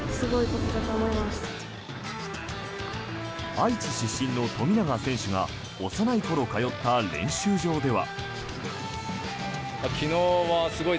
愛知出身の富永選手が幼い頃通った練習場では。